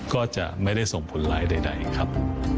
ก็จะไม่ได้ส่งผลร้ายใดครับ